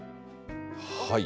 はい。